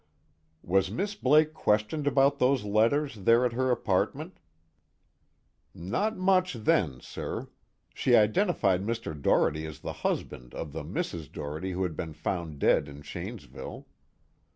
"Was Miss Blake questioned about those letters, there at her apartment?" "Not much then, sir. She identified Mr. Doherty as the husband of the Mrs. Doherty who had been found dead in Shanesville.